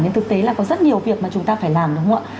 nhưng thực tế là có rất nhiều việc mà chúng ta phải làm đúng không ạ